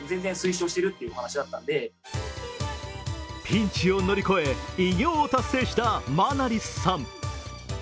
ピンチを乗り越え、偉業を達成したマナリスさん。